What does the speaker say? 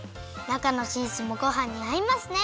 なかのチーズもごはんにあいますね！